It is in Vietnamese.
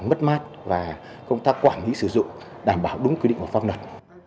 mất mát và công tác quản lý sử dụng đảm bảo đúng quy định của pháp luật